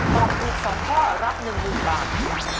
ตอบถูก๒ข้อรับ๑๐๐๐บาท